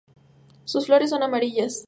Sus flores son amarillas.